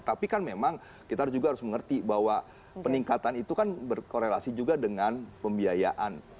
tapi kan memang kita juga harus mengerti bahwa peningkatan itu kan berkorelasi juga dengan pembiayaan